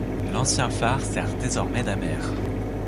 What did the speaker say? L'ancien phare sert désormais d'amer.